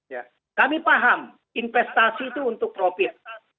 ya kami paham investasi itu untuk profit